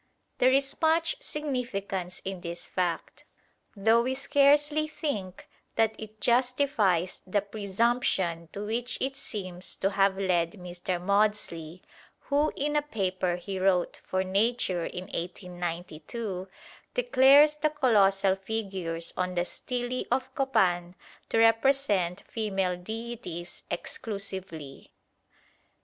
There is much significance in this fact, though we scarcely think that it justifies the presumption to which it seems to have led Mr. Maudslay, who in a paper he wrote for Nature in 1892, declares the colossal figures on the stelae of Copan to represent female deities exclusively.